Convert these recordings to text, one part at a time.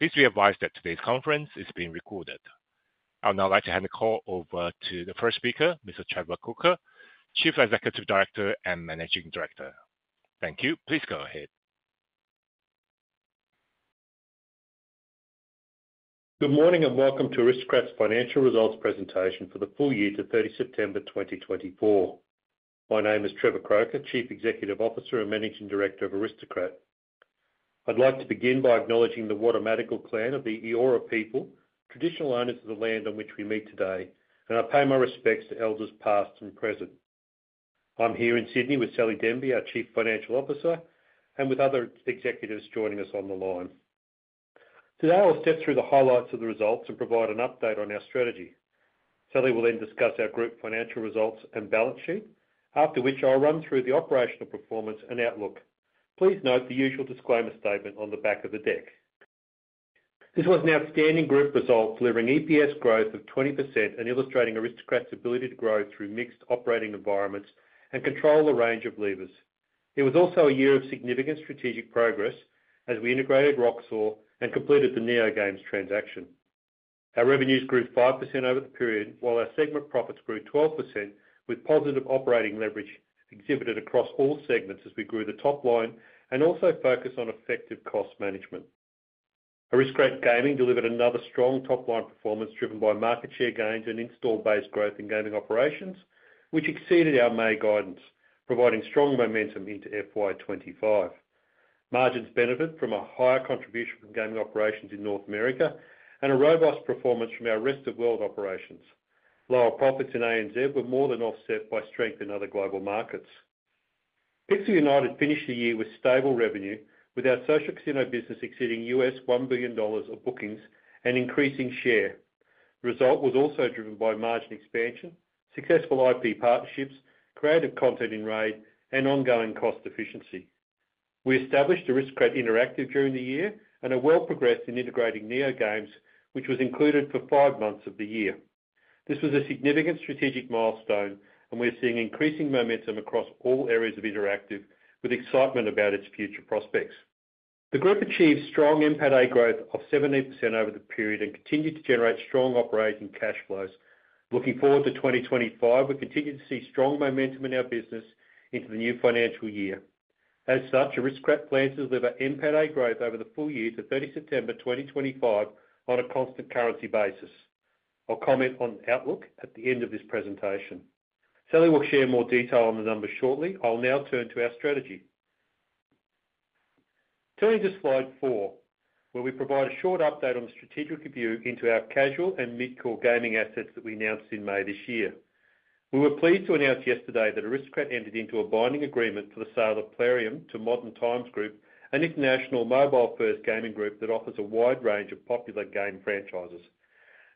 Please be advised that today's conference is being recorded. I would now like to hand the call over to the first speaker, Mr. Trevor Croker, Chief Executive Officer and Managing Director. Thank you. Please go ahead. Good morning and welcome to Aristocrat's financial results presentation for the full year to 30 September 2024. My name is Trevor Croker, Chief Executive Officer and Managing Director of Aristocrat. I'd like to begin by acknowledging the Wallumattagal Clan of the Eora people, traditional owners of the land on which we meet today, and I pay my respects to elders past and present. I'm here in Sydney with Sally Denby, our Chief Financial Officer, and with other executives joining us on the line. Today, I'll step through the highlights of the results and provide an update on our strategy. Sally will then discuss our group financial results and balance sheet, after which I'll run through the operational performance and outlook. Please note the usual disclaimer statement on the back of the deck. This was an outstanding group result, delivering EPS growth of 20% and illustrating Aristocrat's ability to grow through mixed operating environments and control the range of levers. It was also a year of significant strategic progress as we integrated Roxor and completed the NeoGames transaction. Our revenues grew 5% over the period, while our segment profits grew 12%, with positive operating leverage exhibited across all segments as we grew the top line and also focused on effective cost management. Aristocrat Gaming delivered another strong top-line performance driven by market share gains and install base growth in gaming operations, which exceeded our May guidance, providing strong momentum into FY25. Margins benefited from a higher contribution from gaming operations in North America and a robust performance from our rest of world operations. Lower profits in ANZ were more than offset by strength in other global markets. Pixel United finished the year with stable revenue, with our social casino business exceeding $1 billion of bookings and increasing share. The result was also driven by margin expansion, successful IP partnerships, creative content in RAID, and ongoing cost efficiency. We established Aristocrat Interactive during the year and are well progressed in integrating NeoGames, which was included for five months of the year. This was a significant strategic milestone, and we're seeing increasing momentum across all areas of Interactive, with excitement about its future prospects. The group achieved strong NPATA growth of 70% over the period and continued to generate strong operating cash flows. Looking forward to 2025, we continue to see strong momentum in our business into the new financial year. As such, Aristocrat plans to deliver NPATA growth over the full year to 30 September 2025 on a constant currency basis. I'll comment on the outlook at the end of this presentation. Sally will share more detail on the numbers shortly. I'll now turn to our strategy. Turning to slide four, where we provide a short update on the strategic view into our casual and mid-core gaming assets that we announced in May this year. We were pleased to announce yesterday that Aristocrat entered into a binding agreement for the sale of Plarium to Modern Times Group, an international mobile-first gaming group that offers a wide range of popular game franchises.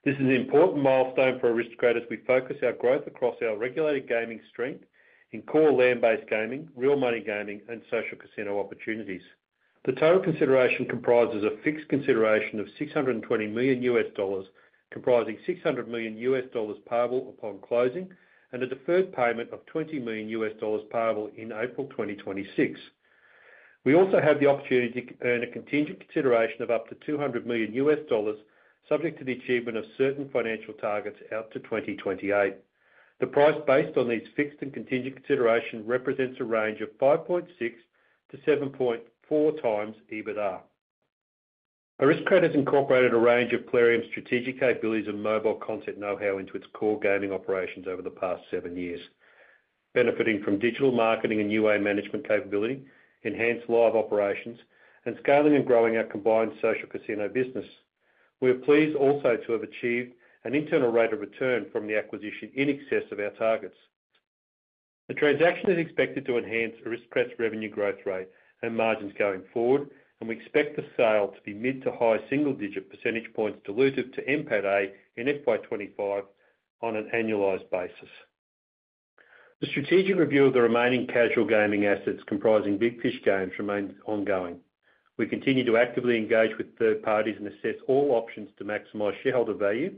This is an important milestone for Aristocrat as we focus our growth across our regulated gaming strength in core land-based gaming, real money gaming, and social casino opportunities. The total consideration comprises a fixed consideration of $620 million, comprising $600 million payable upon closing, and a deferred payment of $20 million payable in April 2026. We also have the opportunity to earn a contingent consideration of up to $200 million, subject to the achievement of certain financial targets out to 2028. The price based on these fixed and contingent considerations represents a range of 5.6-7.4 times EBITDA. Aristocrat has incorporated a range of Plarium's strategic capabilities and mobile content know-how into its core gaming operations over the past seven years, benefiting from digital marketing and UA management capability, enhanced live operations, and scaling and growing our combined social casino business. We are pleased also to have achieved an internal rate of return from the acquisition in excess of our targets. The transaction is expected to enhance Aristocrat's revenue growth rate and margins going forward, and we expect the sale to be mid- to high single-digit percentage points diluted to NPATA in FY25 on an annualized basis. The strategic review of the remaining casual gaming assets comprising Big Fish Games remains ongoing. We continue to actively engage with third parties and assess all options to maximize shareholder value.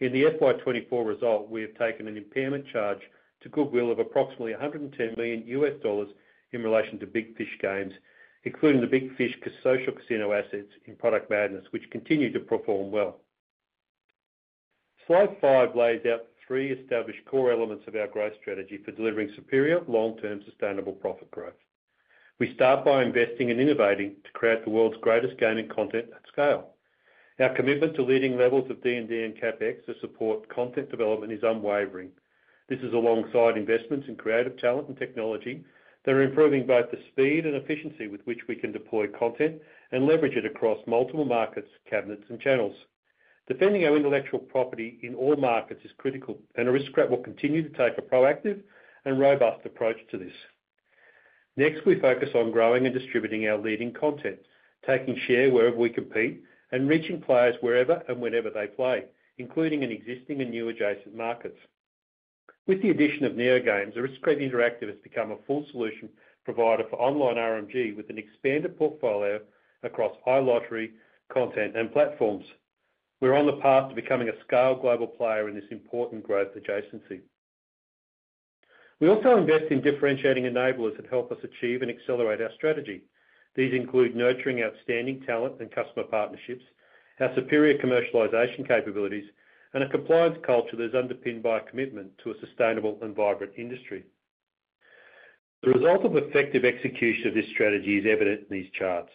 In the FY24 result, we have taken an impairment charge to goodwill of approximately $110 million in relation to Big Fish Games, including the Big Fish social casino assets in Product Madness, which continue to perform well. Slide five lays out three established core elements of our growth strategy for delivering superior long-term sustainable profit growth. We start by investing and innovating to create the world's greatest gaming content at scale. Our commitment to leading levels of D&D and CapEx to support content development is unwavering. This is alongside investments in creative talent and technology that are improving both the speed and efficiency with which we can deploy content and leverage it across multiple markets, cabinets, and channels. Defending our intellectual property in all markets is critical, and Aristocrat will continue to take a proactive and robust approach to this. Next, we focus on growing and distributing our leading content, taking share wherever we compete, and reaching players wherever and whenever they play, including in existing and new adjacent markets. With the addition of NeoGames, Aristocrat Interactive has become a full-solution provider for online RMG with an expanded portfolio across iLottery, content, and platforms. We're on the path to becoming a scaled global player in this important growth adjacency. We also invest in differentiating enablers that help us achieve and accelerate our strategy. These include nurturing outstanding talent and customer partnerships, our superior commercialization capabilities, and a compliance culture that is underpinned by a commitment to a sustainable and vibrant industry. The result of effective execution of this strategy is evident in these charts.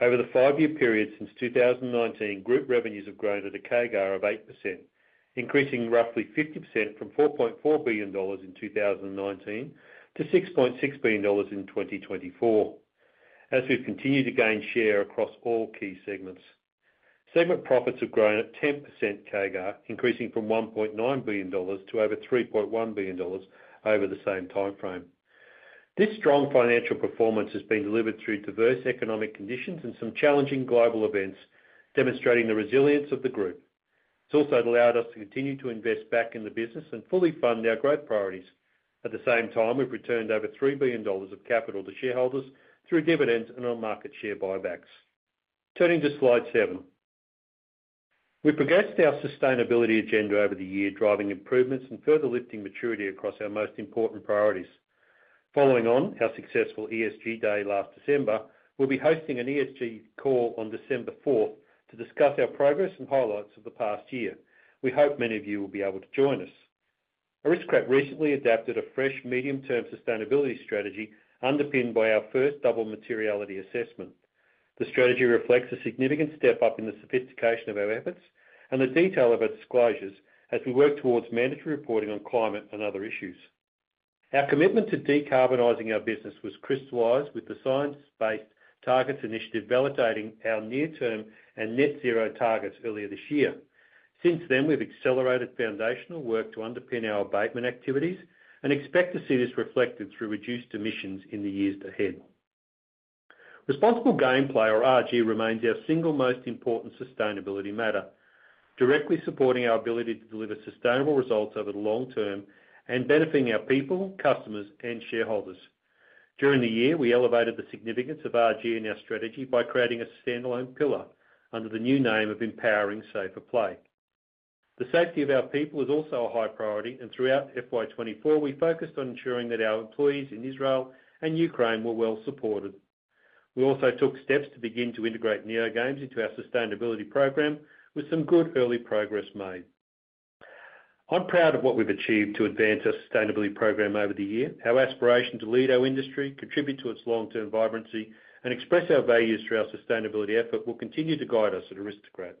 Over the five-year period since 2019, group revenues have grown at a CAGR of 8%, increasing roughly 50% from $4.4 billion in 2019 to $6.6 billion in 2024, as we've continued to gain share across all key segments. Segment profits have grown at 10% CAGR, increasing from $1.9 billion to over $3.1 billion over the same timeframe. This strong financial performance has been delivered through diverse economic conditions and some challenging global events, demonstrating the resilience of the group. It's also allowed us to continue to invest back in the business and fully fund our growth priorities. At the same time, we've returned over $3 billion of capital to shareholders through dividends and on market share buybacks. Turning to slide seven, we've progressed our sustainability agenda over the year, driving improvements and further lifting maturity across our most important priorities. Following on our successful ESG Day last December, we'll be hosting an ESG call on December 4th to discuss our progress and highlights of the past year. We hope many of you will be able to join us. Aristocrat recently adopted a fresh medium-term sustainability strategy underpinned by our first Double Materiality Assessment. The strategy reflects a significant step up in the sophistication of our efforts and the detail of our disclosures as we work towards mandatory reporting on climate and other issues. Our commitment to decarbonizing our business was crystallized with the Science Based Targets initiative validating our near-term and net-zero targets earlier this year. Since then, we've accelerated foundational work to underpin our abatement activities and expect to see this reflected through reduced emissions in the years ahead. Responsible gameplay, or RG, remains our single most important sustainability matter, directly supporting our ability to deliver sustainable results over the long term and benefiting our people, customers, and shareholders. During the year, we elevated the significance of RG in our strategy by creating a standalone pillar under the new name of Empowering Safer Play. The safety of our people is also a high priority, and throughout FY24, we focused on ensuring that our employees in Israel and Ukraine were well supported. We also took steps to begin to integrate NeoGames into our sustainability program, with some good early progress made. I'm proud of what we've achieved to advance our sustainability program over the year. Our aspiration to lead our industry, contribute to its long-term vibrancy, and express our values through our sustainability effort will continue to guide us at Aristocrat.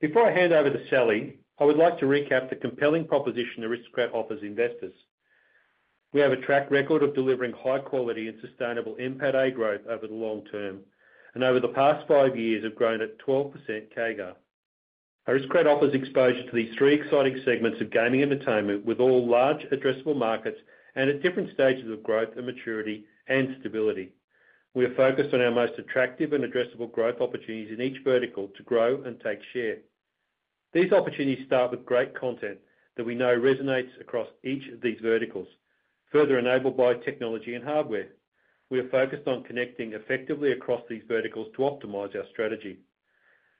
Before I hand over to Sally, I would like to recap the compelling proposition Aristocrat offers investors. We have a track record of delivering high-quality and sustainable NPATA growth over the long term and over the past five years have grown at 12% CAGR. Aristocrat offers exposure to these three exciting segments of gaming entertainment, with all large addressable markets and at different stages of growth and maturity and stability. We are focused on our most attractive and addressable growth opportunities in each vertical to grow and take share. These opportunities start with great content that we know resonates across each of these verticals, further enabled by technology and hardware. We are focused on connecting effectively across these verticals to optimize our strategy.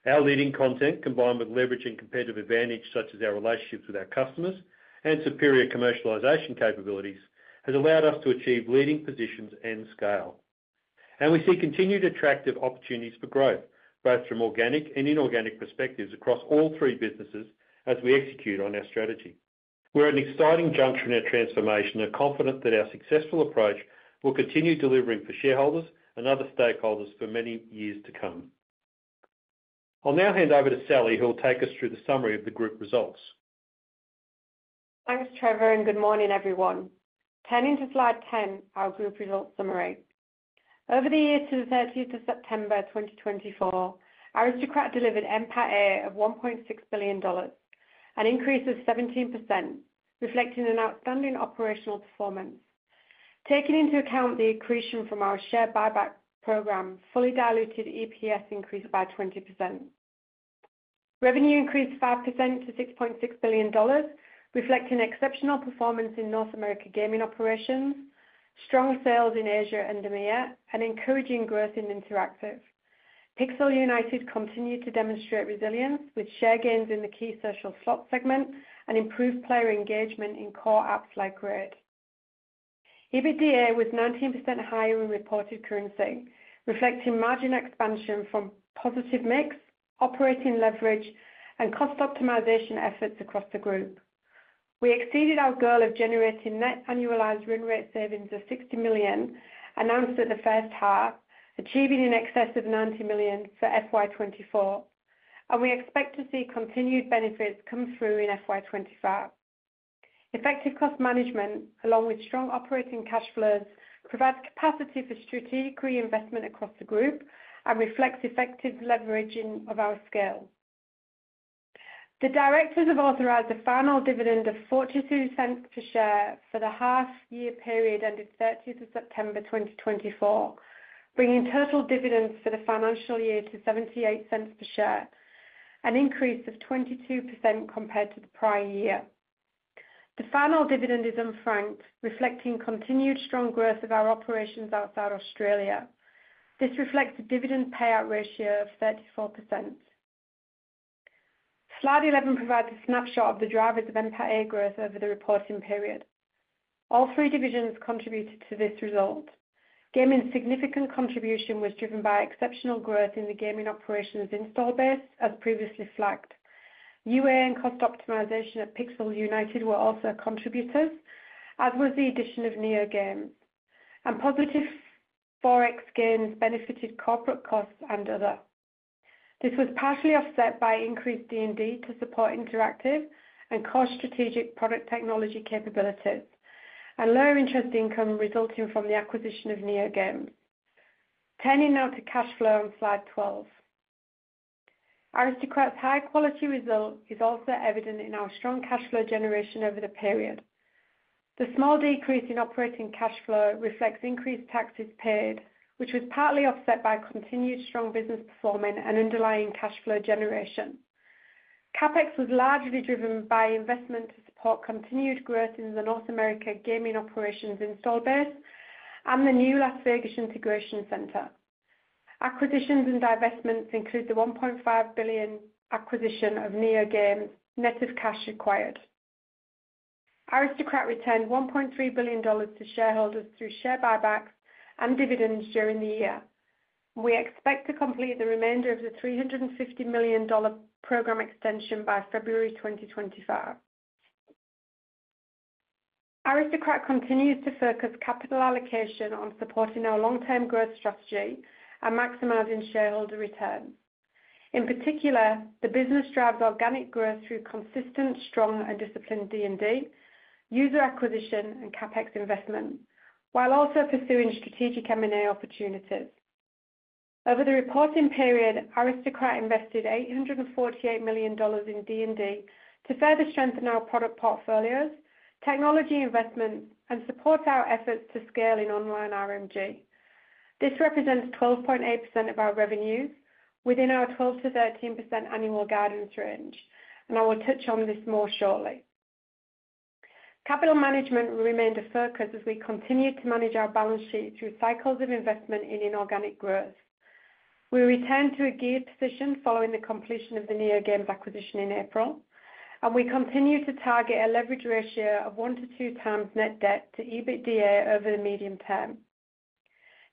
Our leading content, combined with leveraging competitive advantage such as our relationships with our customers and superior commercialization capabilities, has allowed us to achieve leading positions and scale, and we see continued attractive opportunities for growth, both from organic and inorganic perspectives across all three businesses as we execute on our strategy. We're at an exciting juncture in our transformation and confident that our successful approach will continue delivering for shareholders and other stakeholders for many years to come. I'll now hand over to Sally, who will take us through the summary of the group results. Thanks, Trevor, and good morning, everyone. Turning to slide 10, our group results summary. Over the year to the 30th of September 2024, Aristocrat delivered NPATA of 1.6 billion dollars, an increase of 17%, reflecting an outstanding operational performance. Taking into account the accretion from our share buyback program, fully diluted EPS increased by 20%. Revenue increased 5% to $6.6 billion, reflecting exceptional performance in North America gaming operations, strong sales in Asia and EMEA, and encouraging growth in Interactive. Pixel United continued to demonstrate resilience with share gains in the key social slot segment and improved player engagement in core apps like RAID. EBITDA was 19% higher in reported currency, reflecting margin expansion from positive mix, operating leverage, and cost optimization efforts across the group. We exceeded our goal of generating net annualized run rate savings of 60 million announced at the first half, achieving in excess of 90 million for FY24, and we expect to see continued benefits come through in FY25. Effective cost management, along with strong operating cash flows, provides capacity for strategic reinvestment across the group and reflects effective leveraging of our scale. The directors have authorized a final dividend of 0.42 per share for the half-year period ended 30th of September 2024, bringing total dividends for the financial year to 0.78 per share, an increase of 22% compared to the prior year. The final dividend is unfranked, reflecting continued strong growth of our operations outside Australia. This reflects a dividend payout ratio of 34%. Slide 11 provides a snapshot of the drivers of NPATA growth over the reporting period. All three divisions contributed to this result. Gaming's significant contribution was driven by exceptional growth in the gaming operations install base, as previously flagged. UA and cost optimization at Pixel United were also contributors, as was the addition of NeoGames, and positive forex gains benefited corporate costs and other. This was partially offset by increased D&D to support Interactive and core strategic product technology capabilities and lower interest income resulting from the acquisition of NeoGames. Turning now to cash flow on slide 12, Aristocrat's high-quality result is also evident in our strong cash flow generation over the period. The small decrease in operating cash flow reflects increased taxes paid, which was partly offset by continued strong business performance and underlying cash flow generation. CapEx was largely driven by investment to support continued growth in the North America gaming operations install base and the new Las Vegas Integration Center. Acquisitions and divestments include the $1.5 billion acquisition of NeoGames, net cash acquired. Aristocrat returned $1.3 billion to shareholders through share buybacks and dividends during the year. We expect to complete the remainder of the $350 million program extension by February 2025. Aristocrat continues to focus capital allocation on supporting our long-term growth strategy and maximizing shareholder return. In particular, the business drives organic growth through consistent, strong, and disciplined D&D, user acquisition, and CapEx investment, while also pursuing strategic M&A opportunities. Over the reporting period, Aristocrat invested $848 million in D&D to further strengthen our product portfolios, technology investments, and support our efforts to scale in online RMG. This represents 12.8% of our revenues within our 12%-13% annual guidance range, and I will touch on this more shortly. Capital management remained a focus as we continued to manage our balance sheet through cycles of investment in inorganic growth. We returned to a geared position following the completion of the NeoGames acquisition in April, and we continue to target a leverage ratio of one to two times net debt to EBITDA over the medium term.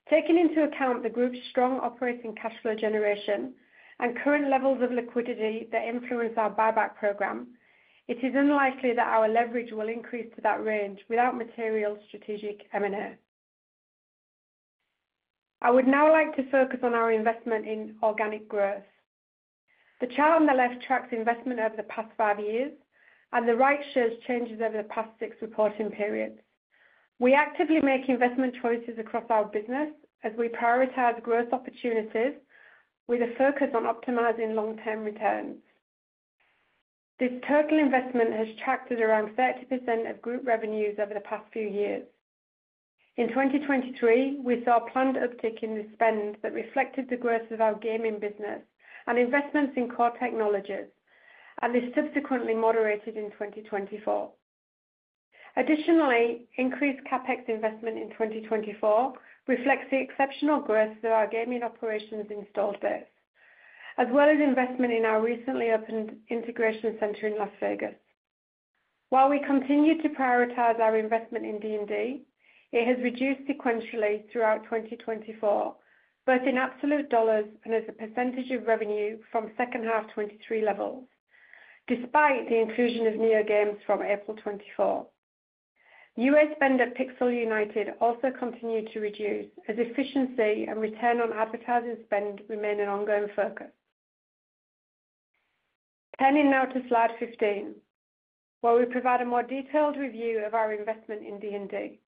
Taking into account the group's strong operating cash flow generation and current levels of liquidity that influence our buyback program, it is unlikely that our leverage will increase to that range without material strategic M&A. I would now like to focus on our investment in organic growth. The chart on the left tracks investment over the past five years, and the right shows changes over the past six reporting periods. We actively make investment choices across our business as we prioritize growth opportunities with a focus on optimizing long-term returns. This total investment has tracked at around 30% of group revenues over the past few years. In 2023, we saw a planned uptick in the spend that reflected the growth of our gaming business and investments in core technologies, and this subsequently moderated in 2024. Additionally, increased CapEx investment in 2024 reflects the exceptional growth of our gaming operations install base, as well as investment in our recently opened Integration Center in Las Vegas. While we continue to prioritize our investment in D&D, it has reduced sequentially throughout 2024, both in absolute dollars and as a percentage of revenue from second half 2023 levels, despite the inclusion of NeoGames from April 2024. UA spend at Pixel United also continued to reduce as efficiency and return on advertising spend remain an ongoing focus. Turning now to slide 15, where we provide a more detailed review of our investment in D&D.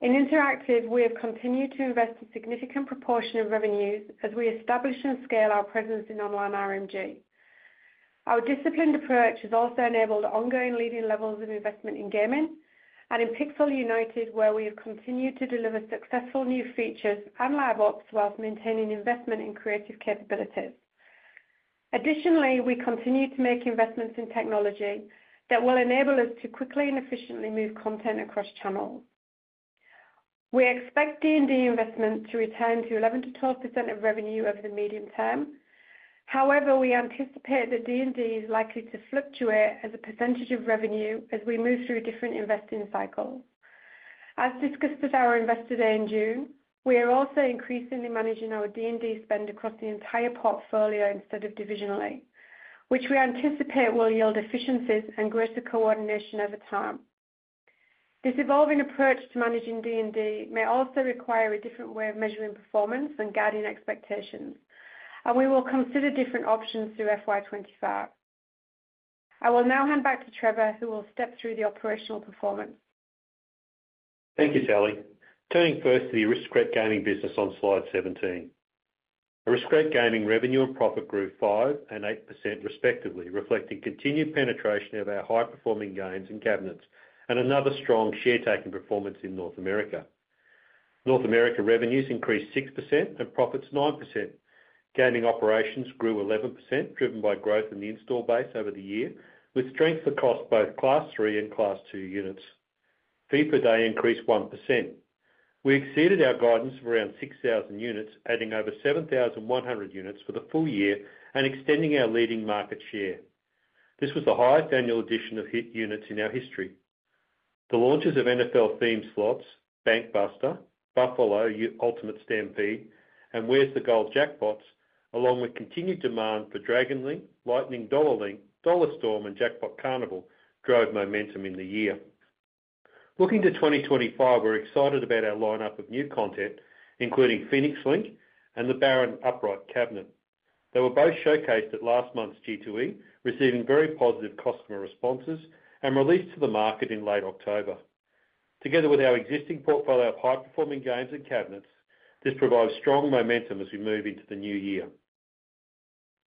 In Interactive, we have continued to invest a significant proportion of revenues as we establish and scale our presence in online RMG. Our disciplined approach has also enabled ongoing leading levels of investment in gaming and in Pixel United, where we have continued to deliver successful new features and live ops while maintaining investment in creative capabilities. Additionally, we continue to make investments in technology that will enable us to quickly and efficiently move content across channels. We expect D&D investment to return to 11%-12% of revenue over the medium term. However, we anticipate that D&D is likely to fluctuate as a percentage of revenue as we move through different investing cycles. As discussed at our investor day in June, we are also increasingly managing our D&D spend across the entire portfolio instead of divisionally, which we anticipate will yield efficiencies and greater coordination over time. This evolving approach to managing D&D may also require a different way of measuring performance and guiding expectations, and we will consider different options through FY25. I will now hand back to Trevor, who will step through the operational performance. Thank you, Sally. Turning first to the Aristocrat Gaming business on slide 17, Aristocrat Gaming revenue and profit grew 5% and 8% respectively, reflecting continued penetration of our high-performing games and cabinets and another strong share-taking performance in North America. North America revenues increased 6% and profits 9%. Gaming operations grew 11%, driven by growth in the install base over the year, with strength across both Class III and Class II units. Fee per day increased 1%. We exceeded our guidance of around 6,000 units, adding over 7,100 units for the full year and extending our leading market share. This was the highest annual addition of hit units in our history. The launches of NFL-themed slots, Bank Buster, Buffalo Ultimate Stampede, and Where's the Gold? Jackpots, along with continued demand for Dragon Link, Lightning Dollar Link, Dollar Storm, and Jackpot Carnival, drove momentum in the year. Looking to 2025, we're excited about our lineup of new content, including Phoenix Link and the Baron Upright Cabinet. They were both showcased at last month's G2E, receiving very positive customer responses and released to the market in late October. Together with our existing portfolio of high-performing games and cabinets, this provides strong momentum as we move into the new year.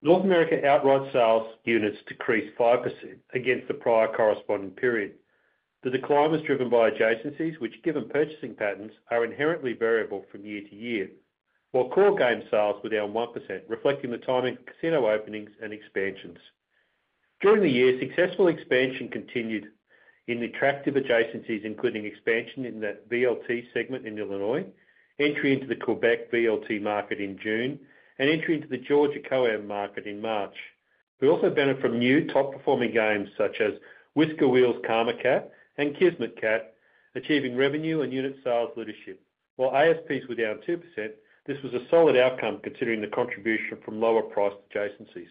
North America outright sales units decreased 5% against the prior corresponding period. The decline was driven by adjacencies, which, given purchasing patterns, are inherently variable from year to year, while core game sales were down 1%, reflecting the timing of casino openings and expansions. During the year, successful expansion continued in attractive adjacencies, including expansion in the VLT segment in Illinois, entry into the Quebec VLT market in June, and entry into the Georgia COAM market in March. We also benefited from new top-performing games such as Whisker Wheels Karma Cat and Kismet Cat, achieving revenue and unit sales leadership. While ASPs were down 2%, this was a solid outcome considering the contribution from lower-priced adjacencies.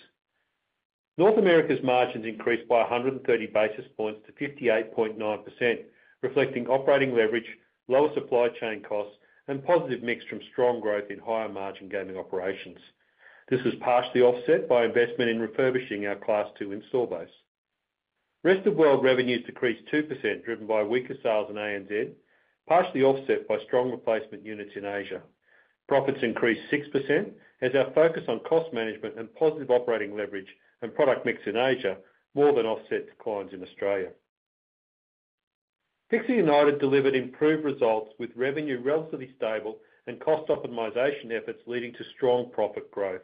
North America's margins increased by 130 basis points to 58.9%, reflecting operating leverage, lower supply chain costs, and positive mix from strong growth in higher-margin gaming operations. This was partially offset by investment in refurbishing our Class II install base. Rest of world revenues decreased 2%, driven by weaker sales in ANZ, partially offset by strong replacement units in Asia. Profits increased 6% as our focus on cost management and positive operating leverage and product mix in Asia more than offset declines in Australia. Pixel United delivered improved results with revenue relatively stable and cost optimization efforts leading to strong profit growth.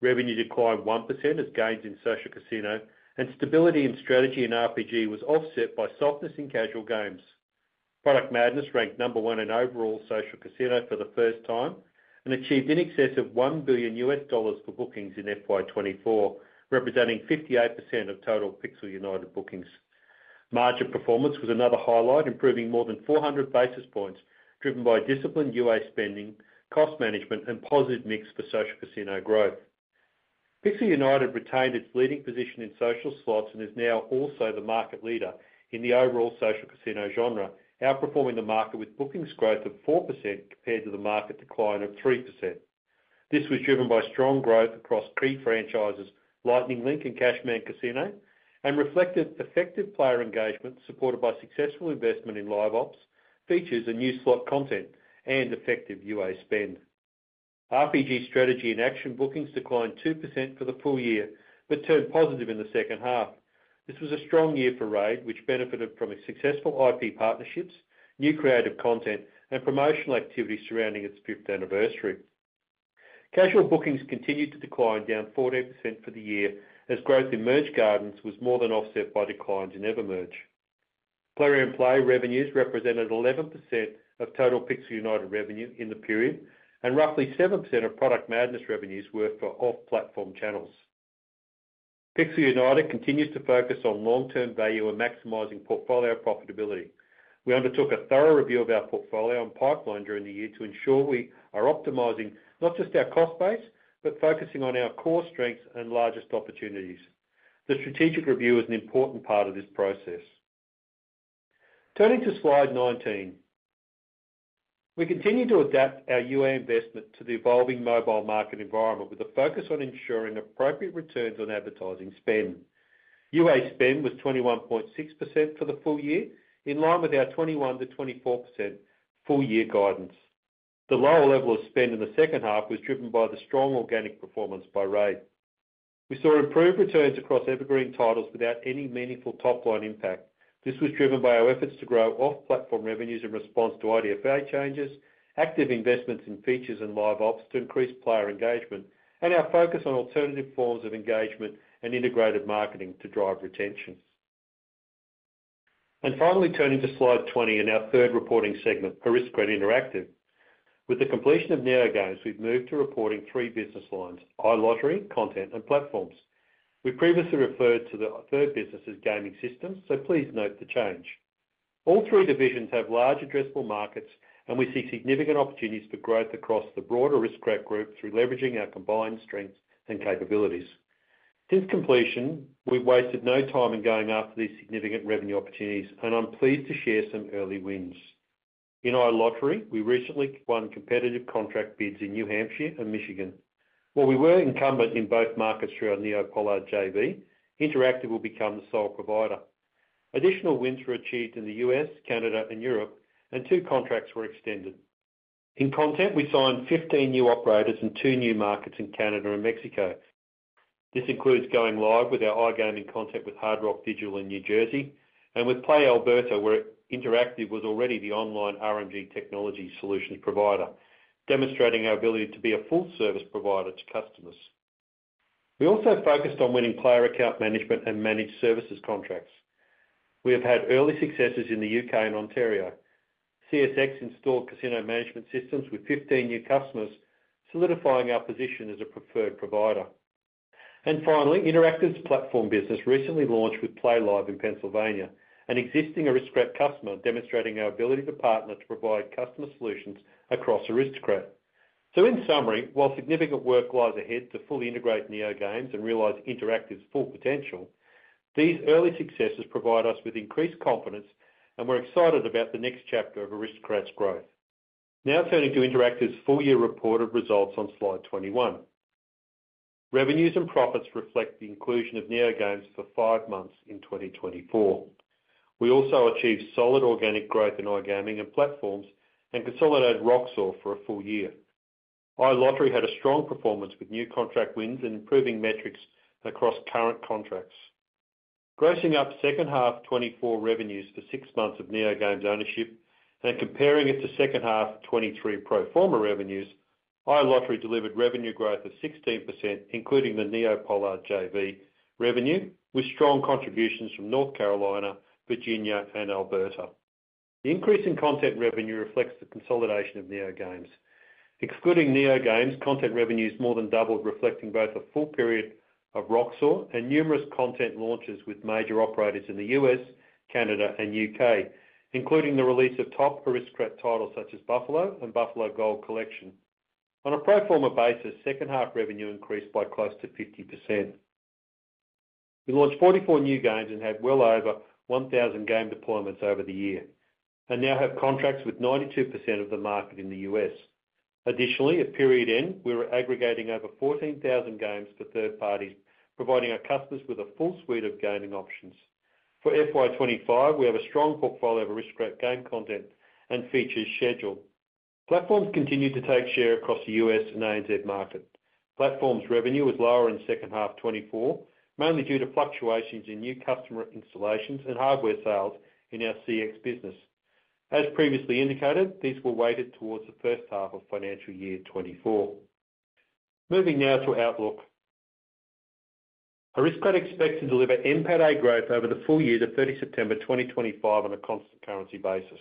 Revenue declined 1% as gains in Social Casino and stability in strategy and RPG was offset by softness in casual games. Product Madness ranked number one in overall Social Casino for the first time and achieved in excess of $1 billion U.S. dollars for bookings in FY24, representing 58% of total Pixel United bookings. Margin performance was another highlight, improving more than 400 basis points, driven by disciplined UA spending, cost management, and positive mix for Social Casino growth. Pixel United retained its leading position in social slots and is now also the market leader in the overall Social Casino genre, outperforming the market with bookings growth of 4% compared to the market decline of 3%. This was driven by strong growth across key franchises, Lightning Link and Cashman Casino, and reflected effective player engagement supported by successful investment in live ops, features, and new slot content, and effective UA spend. RPG strategy and action bookings declined 2% for the full year but turned positive in the second half. This was a strong year for RAID, which benefited from successful IP partnerships, new creative content, and promotional activity surrounding its fifth anniversary. Casual bookings continued to decline, down 14% for the year, as growth in Merge Gardens was more than offset by declines in EverMerge. Plarium Play revenues represented 11% of total Pixel United revenue in the period, and roughly 7% of Product Madness revenues were for off-platform channels. Pixel United continues to focus on long-term value and maximizing portfolio profitability. We undertook a thorough review of our portfolio and pipeline during the year to ensure we are optimizing not just our cost base but focusing on our core strengths and largest opportunities. The strategic review is an important part of this process. Turning to slide 19, we continue to adapt our UA investment to the evolving mobile market environment with a focus on ensuring appropriate returns on advertising spend. UA spend was 21.6% for the full year, in line with our 21%-24% full-year guidance. The lower level of spend in the second half was driven by the strong organic performance by RAID. We saw improved returns across evergreen titles without any meaningful top-line impact. This was driven by our efforts to grow off-platform revenues in response to IDFA changes, active investments in features and live ops to increase player engagement, and our focus on alternative forms of engagement and integrated marketing to drive retention, and finally, turning to slide 20 in our third reporting segment for Aristocrat Interactive. With the completion of NeoGames, we've moved to reporting three business lines: iLottery, content, and platforms. We previously referred to the third business as Gaming Systems, so please note the change. All three divisions have large addressable markets, and we see significant opportunities for growth across the broader Aristocrat group through leveraging our combined strengths and capabilities. Since completion, we've wasted no time in going after these significant revenue opportunities, and I'm pleased to share some early wins. In iLottery, we recently won competitive contract bids in New Hampshire and Michigan. While we were incumbent in both markets through our NeoPollard Interactive JV, Interactive will become the sole provider. Additional wins were achieved in the US, Canada, and Europe, and two contracts were extended. In content, we signed 15 new operators in two new markets in Canada and Mexico. This includes going live with our iGaming content with Hard Rock Digital in New Jersey and with Play Alberta, where Interactive was already the online RMG technology solutions provider, demonstrating our ability to be a full-service provider to customers. We also focused on winning player account management and managed services contracts. We have had early successes in the UK and Ontario. CMS installed casino management systems with 15 new customers, solidifying our position as a preferred provider. And finally, Interactive's platform business recently launched with PlayLive! in Pennsylvania, an existing Aristocrat customer demonstrating our ability to partner to provide customer solutions across Aristocrat. So, in summary, while significant work lies ahead to fully integrate NeoGames and realize Interactive's full potential, these early successes provide us with increased confidence, and we're excited about the next chapter of Aristocrat's growth. Now turning to Interactive's full-year report of results on slide 21, revenues and profits reflect the inclusion of NeoGames for five months in 2024. We also achieved solid organic growth in iGaming and platforms and consolidated Roxor for a full year. iLottery had a strong performance with new contract wins and improving metrics across current contracts. Grossing up second half 2024 revenues for six months of NeoGames ownership and comparing it to second half 2023 pro forma revenues, iLottery delivered revenue growth of 16%, including the NeoPollard Interactive revenue, with strong contributions from North Carolina, Virginia, and Alberta. The increase in content revenue reflects the consolidation of NeoGames. Excluding NeoGames, content revenues more than doubled, reflecting both a full period of Roxor and numerous content launches with major operators in the U.S., Canada, and U.K., including the release of top Aristocrat titles such as Buffalo and Buffalo Gold Collection. On a pro forma basis, second half revenue increased by close to 50%. We launched 44 new games and had well over 1,000 game deployments over the year and now have contracts with 92% of the market in the U.S. Additionally, at period end, we were aggregating over 14,000 games for third parties, providing our customers with a full suite of gaming options. For FY25, we have a strong portfolio of Aristocrat game content and features scheduled. Platforms continued to take share across the U.S. and ANZ market. Platforms' revenue was lower in second half 2024, mainly due to fluctuations in new customer installations and hardware sales in our CX business. As previously indicated, these were weighted towards the first half of financial year 2024. Moving now to Outlook, Aristocrat expects to deliver NPATA growth over the full year to 30 September 2025 on a constant currency basis,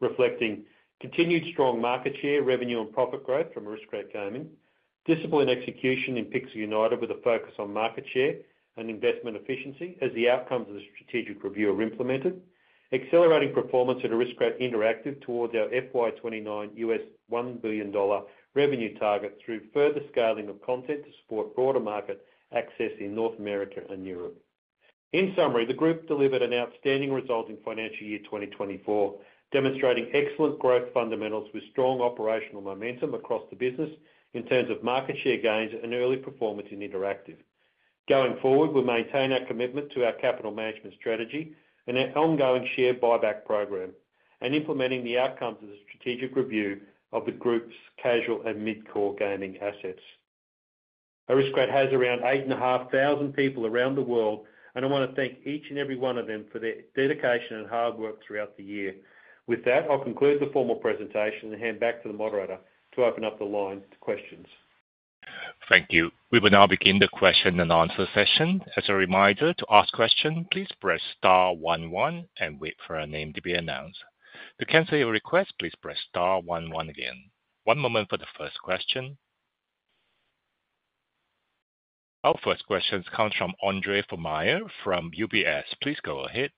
reflecting continued strong market share, revenue, and profit growth from Aristocrat Gaming. Disciplined execution in Pixel United with a focus on market share and investment efficiency as the outcomes of the strategic review are implemented. Accelerating performance at Aristocrat Interactive towards our FY29 $1 billion revenue target through further scaling of content to support broader market access in North America and Europe. In summary, the group delivered an outstanding result in financial year 2024, demonstrating excellent growth fundamentals with strong operational momentum across the business in terms of market share gains and early performance in Interactive. Going forward, we maintain our commitment to our capital management strategy and our ongoing share buyback program, and implementing the outcomes of the strategic review of the group's casual and mid-core gaming assets. Aristocrat has around 8,500 people around the world, and I want to thank each and every one of them for their dedication and hard work throughout the year. With that, I'll conclude the formal presentation and hand back to the moderator to open up the line to questions. Thank you. We will now begin the question and answer session. As a reminder, to ask questions, please press star 11 and wait for a name to be announced. To cancel your request, please press star 11 again. One moment for the first question. Our first question comes from Andre Frommeijer from UBS. Please go ahead.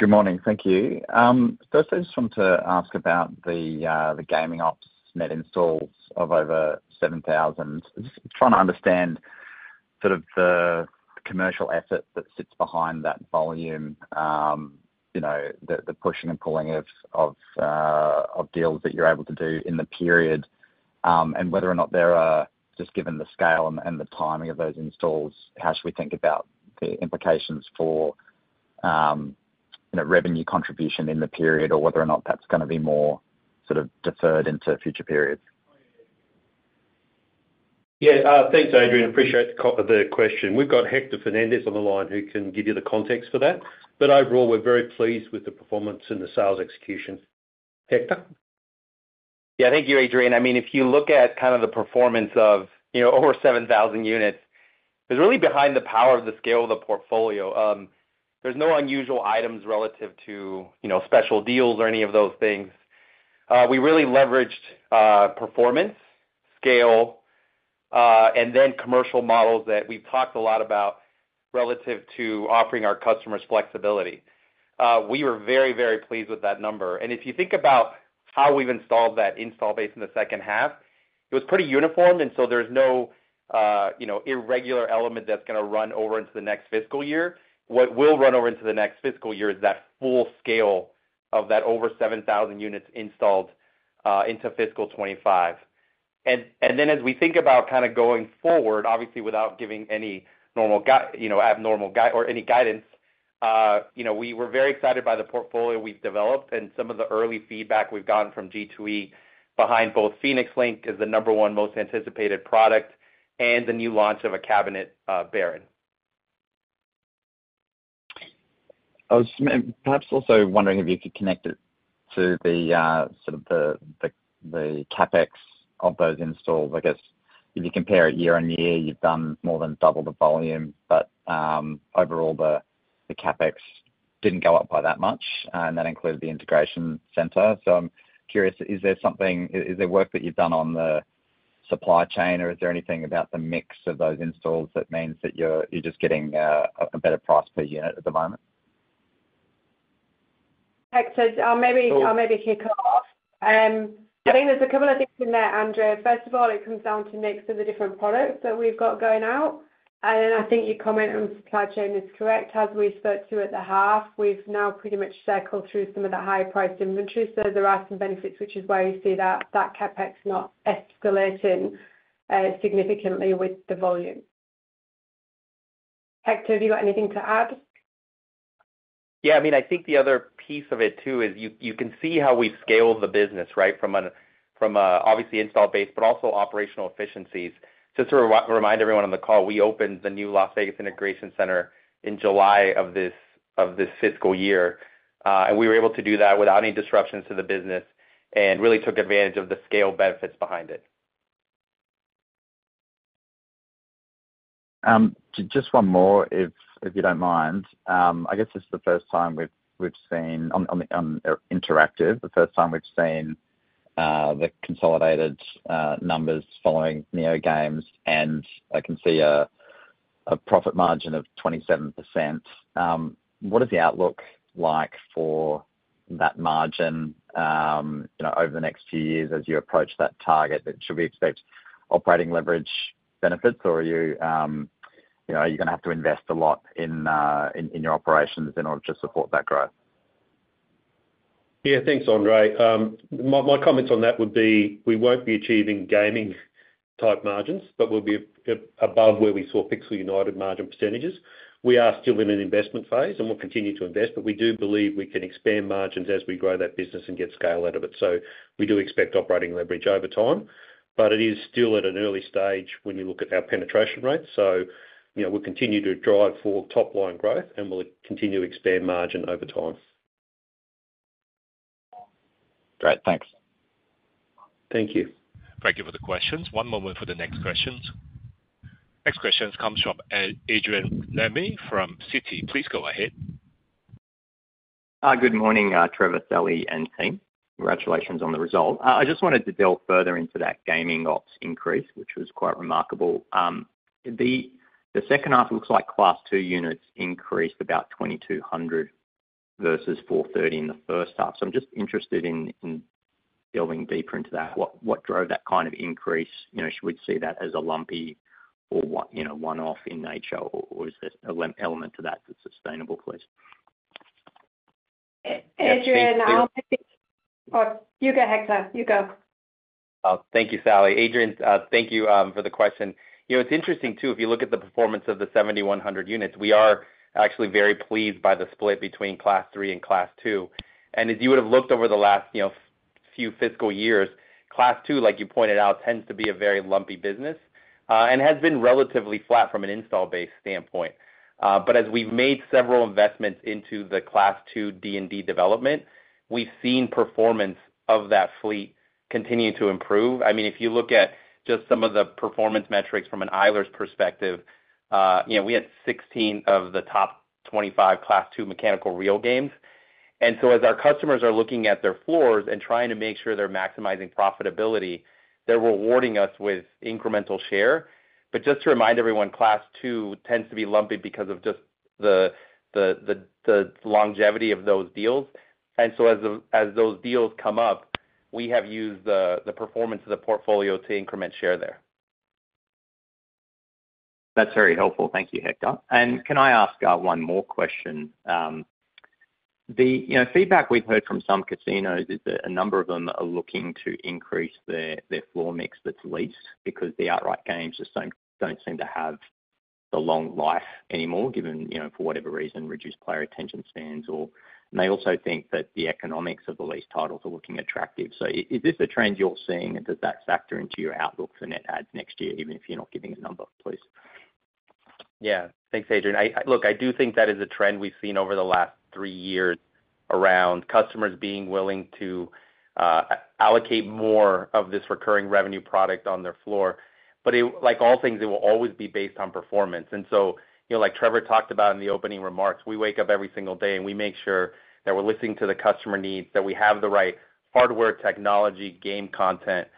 Good morning. Thank you. First, I just want to ask about the gaming ops net installs of over 7,000. Just trying to understand sort of the commercial effort that sits behind that volume, the pushing and pulling of deals that you're able to do in the period, and whether or not there are, just given the scale and the timing of those installs, how should we think about the implications for revenue contribution in the period or whether or not that's going to be more sort of deferred into future periods? Yeah. Thanks, Adrian. Appreciate the question. We've got Hector Fernandez on the line who can give you the context for that. But overall, we're very pleased with the performance and the sales execution. Hector? Yeah. Thank you, Adrian. I mean, if you look at kind of the performance of over 7,000 units, it's really behind the power of the scale of the portfolio. There's no unusual items relative to special deals or any of those things. We really leveraged performance, scale, and then commercial models that we've talked a lot about relative to offering our customers flexibility. We were very, very pleased with that number. And if you think about how we've installed that install base in the second half, it was pretty uniform, and so there's no irregular element that's going to run over into the next fiscal year. What will run over into the next fiscal year is that full scale of that over 7,000 units installed into fiscal 2025, and then, as we think about kind of going forward, obviously, without giving any abnormal guidance, we were very excited by the portfolio we've developed and some of the early feedback we've gotten from G2E behind both Phoenix Link as the number one most anticipated product and the new launch of the Baron cabinet. I was perhaps also wondering if you could connect it to sort of the CapEx of those installs. I guess if you compare it year on year, you've done more than double the volume, but overall, the CapEx didn't go up by that much, and that included the Integration Center. I'm curious. Is there work that you've done on the supply chain, or is there anything about the mix of those installs that means that you're just getting a better price per unit at the moment? Hector, I'll maybe kick off. I think there's a couple of things in there, Andre. First of all, it comes down to mix of the different products that we've got going out. And then I think your comment on supply chain is correct. As we spoke to at the half, we've now pretty much circled through some of the high-priced inventory, so there are some benefits, which is why you see that CapEx not escalating significantly with the volume. Hector, have you got anything to add? Yeah. I mean, I think the other piece of it too is you can see how we've scaled the business, right, from obviously Install Base but also operational efficiencies. Just to remind everyone on the call, we opened the new Las Vegas Integration Center in July of this fiscal year, and we were able to do that without any disruptions to the business and really took advantage of the scale benefits behind it. Just one more, if you don't mind. I guess this is the first time we've seen on Interactive, the first time we've seen the consolidated numbers following NeoGames, and I can see a profit margin of 27%. What is the outlook like for that margin over the next few years as you approach that target? Should we expect operating leverage benefits, or are you going to have to invest a lot in your operations in order to support that growth? Yeah. Thanks, Andre. My comments on that would be we won't be achieving gaming-type margins, but we'll be above where we saw Pixel United margin percentages. We are still in an investment phase, and we'll continue to invest, but we do believe we can expand margins as we grow that business and get scale out of it. So we do expect operating leverage over time, but it is still at an early stage when you look at our penetration rate. So we'll continue to drive for top-line growth, and we'll continue to expand margin over time. Great. Thanks. Thank you. Thank you for the questions. One moment for the next questions. Next question comes from Adrian Lemme from Citi. Please go ahead. Good morning, Trevor, Sally, and team. Congratulations on the result. I just wanted to delve further into that gaming ops increase, which was quite remarkable. The second half looks like Class II units increased about 2,200 versus 430 in the first half. So I'm just interested in delving deeper into that. What drove that kind of increase? Should we see that as a lumpy or one-off in nature, or is there an element to that that's sustainable, please? Adrian, you go, Hector. You go. Thank you, Sally. Adrian, thank you for the question. It's interesting too, if you look at the performance of the 7,100 units, we are actually very pleased by the split between Class III and Class II. As you would have looked over the last few fiscal years, Class II, like you pointed out, tends to be a very lumpy business and has been relatively flat from an install base standpoint. As we've made several investments into the Class II D&D development, we've seen performance of that fleet continue to improve. I mean, if you look at just some of the performance metrics from an Eilers perspective, we had 16 of the top 25 Class II mechanical reel games. As our customers are looking at their floors and trying to make sure they're maximizing profitability, they're rewarding us with incremental share. Just to remind everyone, Class II tends to be lumpy because of just the longevity of those deals. As those deals come up, we have used the performance of the portfolio to increment share there. That's very helpful. Thank you, Hector. Can I ask one more question? The feedback we've heard from some casinos is that a number of them are looking to increase their floor mix that's leased because the outright games just don't seem to have the long life anymore, given, for whatever reason, reduced player attention spans. They also think that the economics of the leased titles are looking attractive. Is this a trend you're seeing, and does that factor into your outlook for net adds next year, even if you're not giving a number, please? Yeah. Thanks, Adrian. Look, I do think that is a trend we've seen over the last three years around customers being willing to allocate more of this recurring revenue product on their floor. Like all things, it will always be based on performance. And so like Trevor talked about in the opening remarks, we wake up every single day, and we make sure that we're listening to the customer needs, that we have the right hardware technology game content.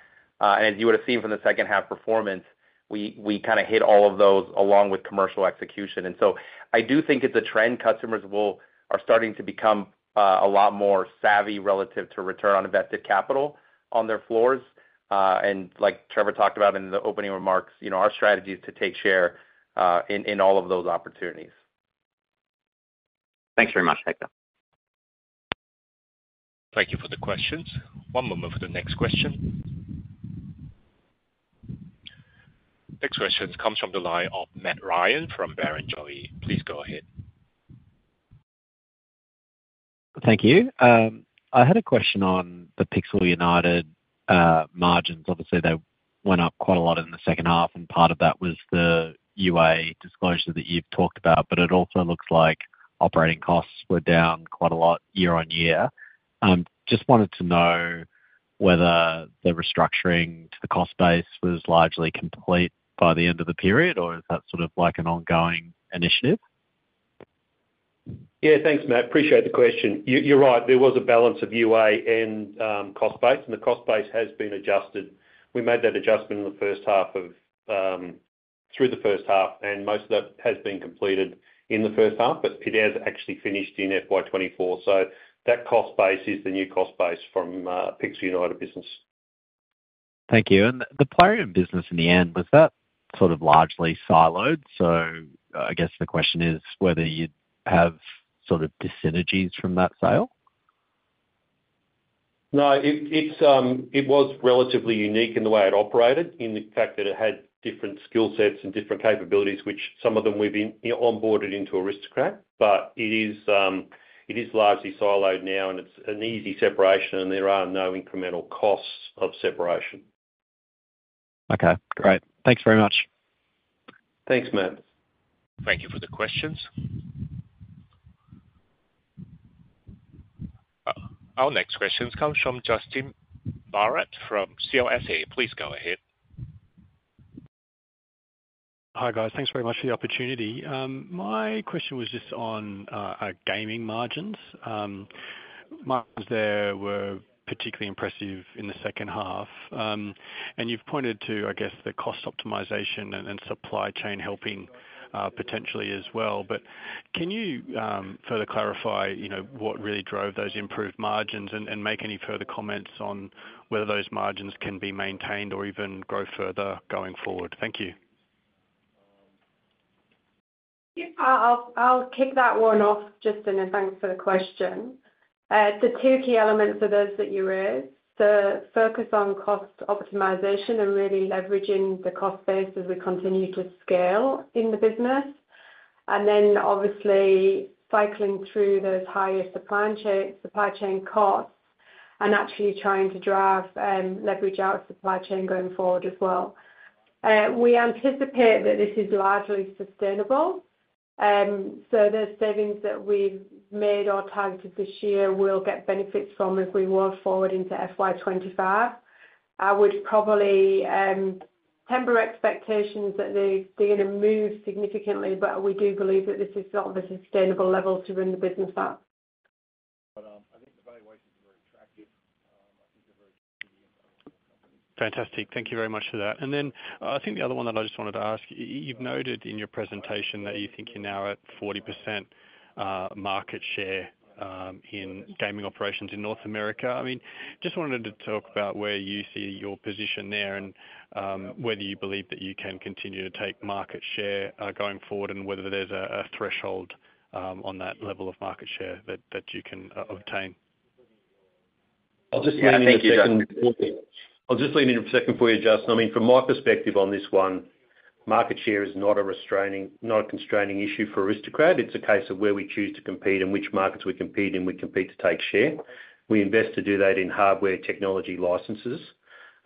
And as you would have seen from the second half performance, we kind of hit all of those along with commercial execution. And so I do think it's a trend customers are starting to become a lot more savvy relative to return on invested capital on their floors. And like Trevor talked about in the opening remarks, our strategy is to take share in all of those opportunities. Thanks very much, Hector. Thank you for the questions. One moment for the next question. Next question comes from the line of Matt Ryan from Barrenjoey. Please go ahead. Thank you. I had a question on the Pixel United margins. Obviously, they went up quite a lot in the second half, and part of that was the UA disclosure that you've talked about, but it also looks like operating costs were down quite a lot year on year. Just wanted to know whether the restructuring to the cost base was largely complete by the end of the period, or is that sort of like an ongoing initiative? Yeah. Thanks, Matt. Appreciate the question. You're right. There was a balance of UA and cost base, and the cost base has been adjusted. We made that adjustment in the first half or through the first half, and most of that has been completed in the first half, but it has actually finished in FY24. So that cost base is the new cost base from Pixel United business. Thank you. The Plarium business in the end, was that sort of largely siloed? So I guess the question is whether you'd have sort of dissynergies from that sale? No. It was relatively unique in the way it operated, in the fact that it had different skill sets and different capabilities, which some of them we've onboarded into Aristocrat. But it is largely siloed now, and it's an easy separation, and there are no incremental costs of separation. Okay. Great. Thanks very much. Thanks, Matt. Thank you for the questions. Our next questions come from Justin Barrett from CLSA. Please go ahead. Hi, guys. Thanks very much for the opportunity. My question was just on our gaming margins. Margins there were particularly impressive in the second half. You've pointed to, I guess, the cost optimization and supply chain helping potentially as well. But can you further clarify what really drove those improved margins and make any further comments on whether those margins can be maintained or even grow further going forward? Thank you. I'll kick that one off, Justin, and thanks for the question. The two key elements are those that you raised: the focus on cost optimization and really leveraging the cost base as we continue to scale in the business, and then obviously cycling through those higher supply chain costs and actually trying to drive leverage out of supply chain going forward as well. We anticipate that this is largely sustainable, so the savings that we've made or targeted this year we'll get benefits from if we work forward into FY25. I would probably temper expectations that they're going to move significantly, but we do believe that this is sort of a sustainable level to run the business at. But I think the valuations are very attractive. I think they're very competitive. Fantastic. Thank you very much for that. And then I think the other one that I just wanted to ask, you've noted in your presentation that you think you're now at 40% market share in gaming operations in North America. I mean, just wanted to talk about where you see your position there and whether you believe that you can continue to take market share going forward and whether there's a threshold on that level of market share that you can obtain. I'll just lean in for a second for you, Justin. I mean, from my perspective on this one, market share is not a constraining issue for Aristocrat. It's a case of where we choose to compete and which markets we compete, and we compete to take share. We invest to do that in hardware technology licenses,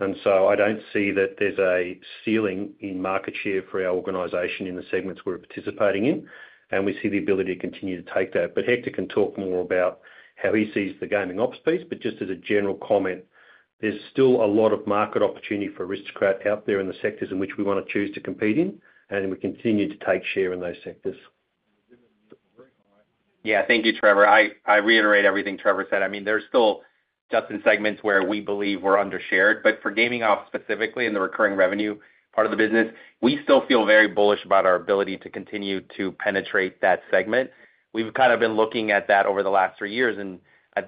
and so I don't see that there's a ceiling in market share for our organization in the segments we're participating in, and we see the ability to continue to take that. Hector can talk more about how he sees the gaming ops piece, but just as a general comment, there's still a lot of market opportunity for Aristocrat out there in the sectors in which we want to choose to compete in, and we continue to take share in those sectors. Yeah. Thank you, Trevor. I reiterate everything Trevor said. I mean, there's still just in segments where we believe we're undershared, but for gaming ops specifically and the recurring revenue part of the business, we still feel very bullish about our ability to continue to penetrate that segment. We've kind of been looking at that over the last three years, and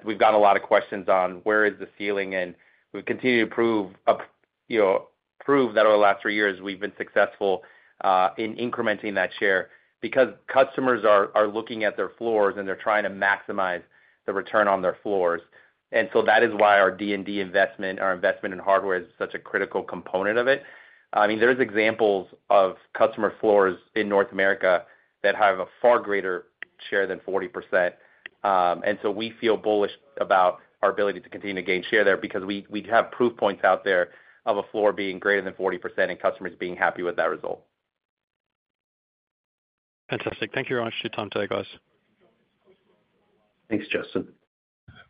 we've gotten a lot of questions on where is the ceiling, and we've continued to prove that over the last three years we've been successful in incrementing that share because customers are looking at their floors, and they're trying to maximize the return on their floors. And so that is why our D&D investment, our investment in hardware is such a critical component of it. I mean, there are examples of customer floors in North America that have a far greater share than 40%. And so we feel bullish about our ability to continue to gain share there because we have proof points out there of a floor being greater than 40% and customers being happy with that result. Fantastic. Thank you very much for your time today, guys. Thanks, Justin.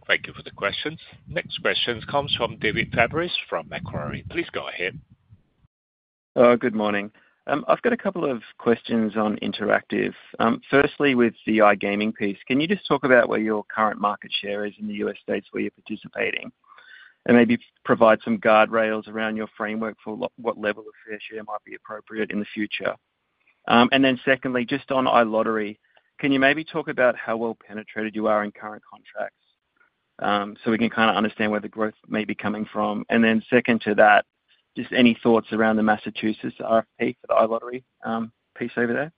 Thank you for the questions. Next questions come from David Fabris from Macquarie. Please go ahead. Good morning. I've got a couple of questions on Interactive. Firstly, with the iGaming piece, can you just talk about where your current market share is in the U.S. states where you're participating and maybe provide some guardrails around your framework for what level of fair share might be appropriate in the future? And then secondly, just on iLottery, can you maybe talk about how well-penetrated you are in current contracts so we can kind of understand where the growth may be coming from? And then second to that, just any thoughts around the Massachusetts RFP for the iLottery piece over there?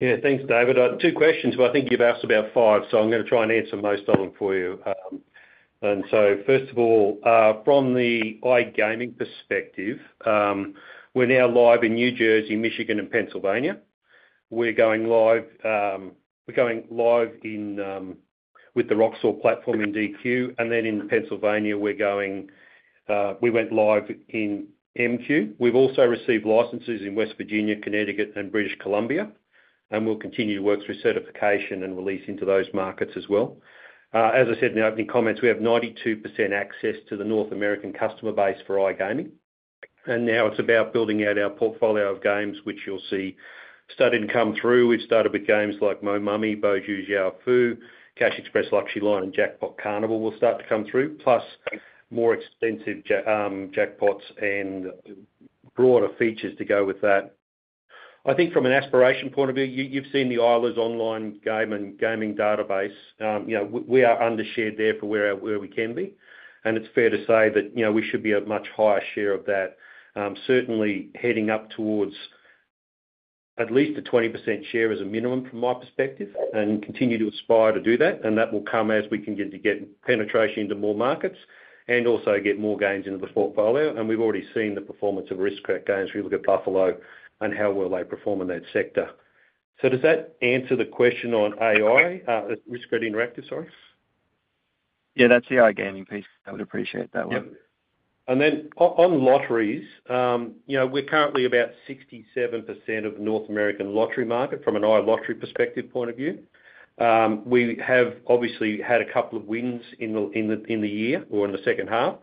Yeah. Thanks, David. Two questions, but I think you've asked about five, so I'm going to try and answer most of them for you. And so first of all, from the iGaming perspective, we're now live in New Jersey, Michigan, and Pennsylvania. We're going live with the Roxor platform in Q2, and then in Pennsylvania, we went live in Q1. We've also received licenses in West Virginia, Connecticut, and British Columbia, and we'll continue to work through certification and release into those markets as well. As I said in the opening comments, we have 92% access to the North American customer base for iGaming. And now it's about building out our portfolio of games, which you'll see starting to come through. We've started with games like Mo' Mummy, Bao Zhu Zhao Fu, Cash Express Luxury Line, and Jackpot Carnival will start to come through, plus more extensive jackpots and broader features to go with that. I think from an aspiration point of view, you've seen the Eilers online gaming database. We are undershared there for where we can be, and it's fair to say that we should be a much higher share of that, certainly heading up towards at least a 20% share as a minimum from my perspective and continue to aspire to do that. And that will come as we can get penetration into more markets and also get more gains into the portfolio. And we've already seen the performance of Aristocrat games if you look at Buffalo and how well they perform in that sector. So does that answer the question on AI? Aristocrat Interactive, sorry. Yeah. That's the iGaming piece. I would appreciate that one. And then on lotteries, we're currently about 67% of the North American lottery market from an iLottery perspective point of view. We have obviously had a couple of wins in the year or in the second half,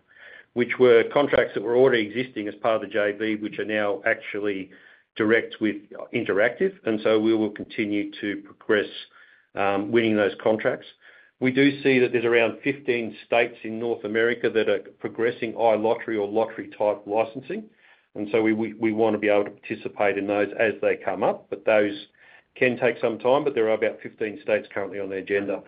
which were contracts that were already existing as part of the JV, which are now actually direct with Interactive, and so we will continue to progress winning those contracts. We do see that there's around 15 states in North America that are progressing iLottery or lottery-type licensing, and so we want to be able to participate in those as they come up, but those can take some time, but there are about 15 states currently on the agenda.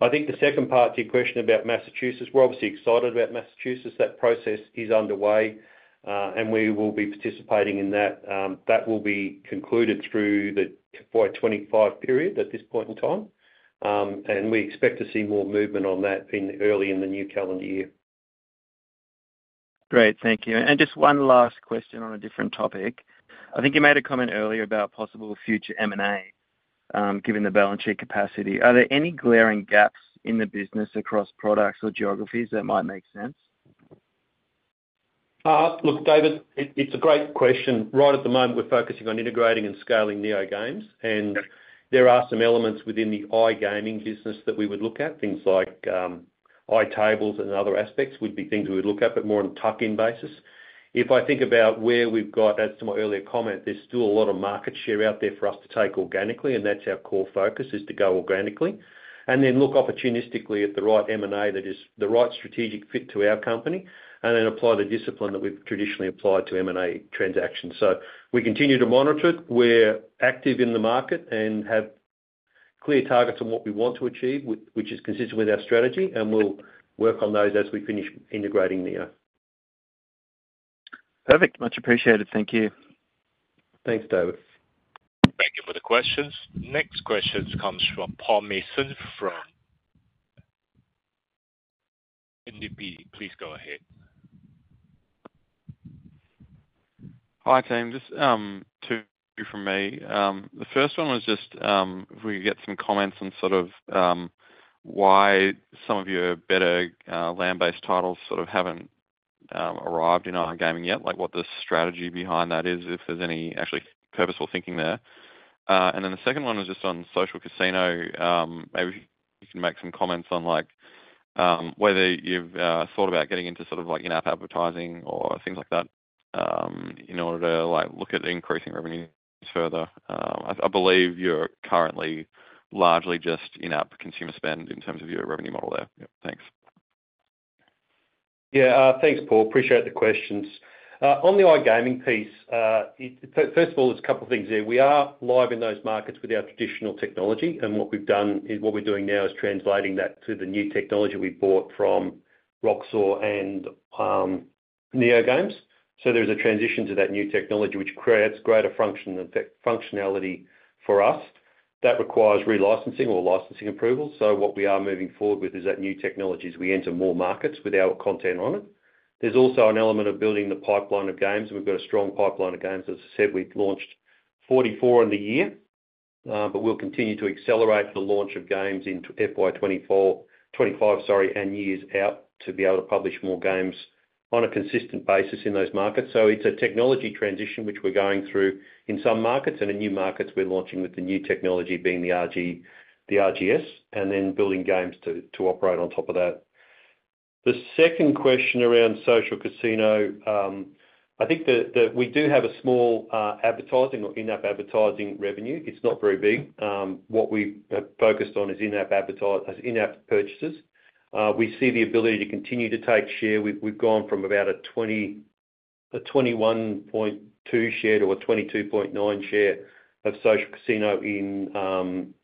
I think the second part to your question about Massachusetts; we're obviously excited about Massachusetts. That process is underway, and we will be participating in that. That will be concluded through the FY25 period at this point in time, and we expect to see more movement on that early in the new calendar year. Great. Thank you and just one last question on a different topic. I think you made a comment earlier about possible future M&A given the balance sheet capacity. Are there any glaring gaps in the business across products or geographies that might make sense? Look, David, it's a great question. Right at the moment, we're focusing on integrating and scaling NeoGames, and there are some elements within the iGaming business that we would look at, things like iTables and other aspects would be things we would look at, but more on a tuck-in basis. If I think about where we've got, as to my earlier comment, there's still a lot of market share out there for us to take organically, and that's our core focus is to go organically and then look opportunistically at the right M&A that is the right strategic fit to our company and then apply the discipline that we've traditionally applied to M&A transactions. So we continue to monitor it. We're active in the market and have clear targets on what we want to achieve, which is consistent with our strategy, and we'll work on those as we finish integrating Neo. Perfect. Much appreciated. Thank you. Thanks, David. Thank you for the questions. Next questions come from Paul Mason from E&P. Please go ahead. Hi, team. Just two from me. The first one was just if we could get some comments on sort of why some of your better land-based titles sort of haven't arrived in iGaming yet, like what the strategy behind that is, if there's any actually purposeful thinking there. And then the second one was just on social casino. Maybe you can make some comments on whether you've thought about getting into sort of in-app advertising or things like that in order to look at increasing revenue further. I believe you're currently largely just in-app consumer spend in terms of your revenue model there. Thanks. Yeah. Thanks, Paul. Appreciate the questions. On the iGaming piece, first of all, there's a couple of things there. We are live in those markets with our traditional technology, and what we've done is what we're doing now is translating that to the new technology we bought from Roxor and NeoGames. So there is a transition to that new technology, which creates greater functionality for us. That requires relicensing or licensing approval. So what we are moving forward with is that new technology as we enter more markets with our content on it. There's also an element of building the pipeline of games, and we've got a strong pipeline of games. As I said, we've launched 44 in the year, but we'll continue to accelerate the launch of games into FY25, sorry, and years out to be able to publish more games on a consistent basis in those markets. So it's a technology transition, which we're going through in some markets and in new markets we're launching with the new technology being the RGS and then building games to operate on top of that. The second question around social casino, I think that we do have a small advertising or in-app advertising revenue. It's not very big. What we've focused on is in-app purchases. We see the ability to continue to take share. We've gone from about a 21.2% share to a 22.9% share of social casino in